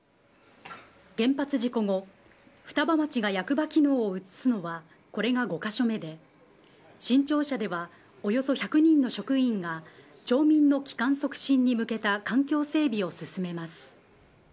原発事故後、双葉町が役場機能を移すのは、これが５か所目で、新庁舎では、およそ１００人の職員が、町民の帰還促進に向けた環境整備を進めます。